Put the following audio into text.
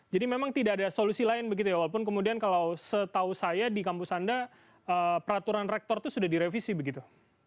jadi memang tidak ada solusi lain begitu ya walaupun kemudian kalau setahu saya di kampus anda peraturan rektor itu sudah direvisi begitu